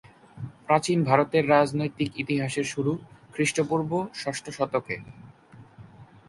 প্রাচীন ভারতের রাজনৈতিক ইতিহাসের শুরু খ্রিস্টপূর্ব ষষ্ঠ শতকে।